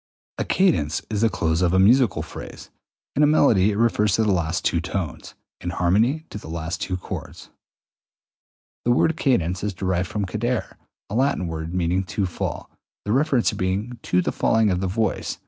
202. A cadence is the close of a musical phrase: in melody it refers to the last two tones; in harmony to the last two chords. The word cadence is derived from cadere, a Latin word meaning to fall, the reference being to the falling of the voice (_i.e.